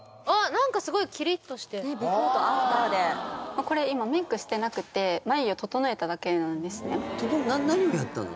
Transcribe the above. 何かすごいキリッとしてねっビフォーとアフターでこれ今メイクしてなくて眉を整えただけなんですね何をやったの？